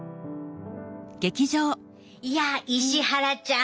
いや石原ちゃん